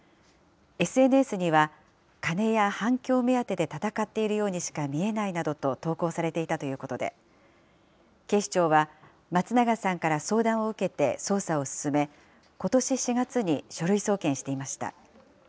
ＳＮＳには、金や反響目当てで闘っているようにしか見えないなどと投降されていたということで、警視庁は、松永さんから相談を受けて捜査を進め、ことし４月に書類送検していました。